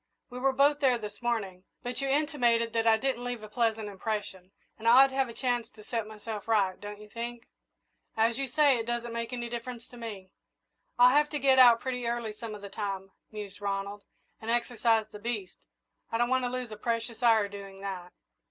We were both there this morning, but you've intimated that I didn't leave a pleasant impression, and I ought to have a chance to set myself right, don't you think?" "As you say it doesn't make any difference to me." "I'll have to get out pretty early some of the time," mused Ronald, "and exercise the beast. I don't want to lose a precious hour doing that."